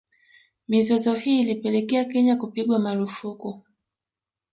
Mizozo hii ilipelekea Kenya kupigwa marufuku